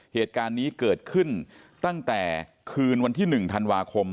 เหตุการณ์นี้เกิดขึ้นตั้งแต่คืนวันที่๑ธันวาคม